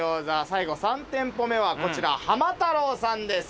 最後３店舗目はこちら浜太郎さんです